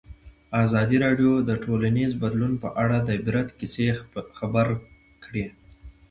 ازادي راډیو د ټولنیز بدلون په اړه د عبرت کیسې خبر کړي.